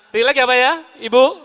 tilak ya pak ya ibu